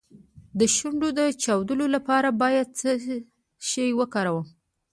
د شونډو د چاودیدو لپاره باید څه شی وکاروم؟